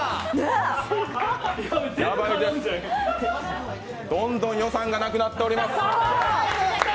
ヤバイです、どんどん予算がなくなっております。